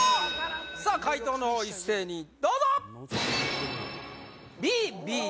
さあ解答のほう一斉にどうぞ！